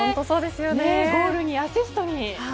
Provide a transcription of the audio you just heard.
ゴールにアシストに。